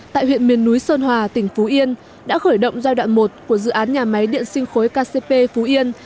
tại huyện miền núi sơn hòa tỉnh phú yên đã khởi động giai đoạn một của dự án nhà máy điện sinh khối kcp phú yên